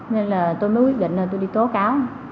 nên là tôi mới quyết định là tôi đi tố cáo